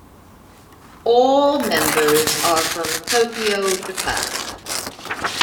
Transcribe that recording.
All members are from Tokyo, Japan.